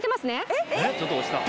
えっ！